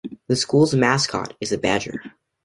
The school's mascot is a badger.